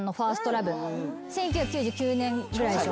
１９９９年ぐらいでしょ？